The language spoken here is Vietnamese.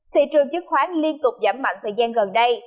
thị trường chứng khoán liên tục giảm mạnh thời gian gần đây